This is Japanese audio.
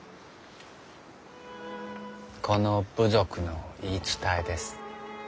この部族の言い伝えです。